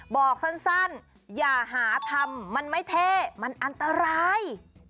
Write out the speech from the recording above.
บอกสั้นอย่าหาทำมันไม่เท่มันอันตราย